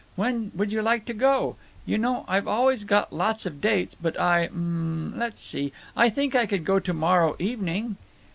When would you like to go? You know I've always got lots of dates but I—um—let's see, I think I could go to morrow evening."